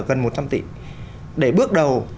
gần một trăm linh tỷ để bước đầu